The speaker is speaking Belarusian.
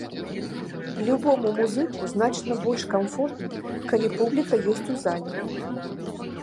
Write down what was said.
Любому музыку значна больш камфортна, калі публіка ёсць у зале.